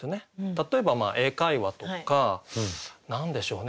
例えば英会話とか何でしょうね